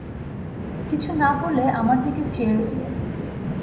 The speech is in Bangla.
কিছু না বলে আমার দিকে চেয়ে রইলেন।